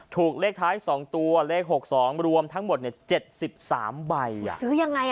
ถูกเลขท้ายสองตัวเลขหกสองรวมทั้งหมดเนี่ยเจ็ดสิบสามใบอ่ะซื้อยังไงอ่ะ